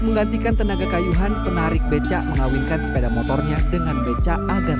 menggantikan tenaga kayuhan penarik becak mengawinkan sepeda motornya dengan beca agar